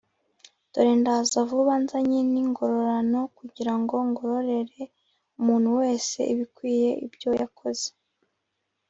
Dore ndaza vuba nzanye n ingororano kugira ngo ngororere umuntu wese ibikwiye ibyo yakoze